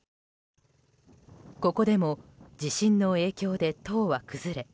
ここでも地震の影響で塔は崩れ